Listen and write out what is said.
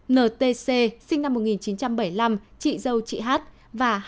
ntc sinh năm một nghìn chín trăm bảy mươi năm chị dâu chị hát và hai mươi năm kf một